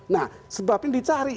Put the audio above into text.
nah sebab ini dicari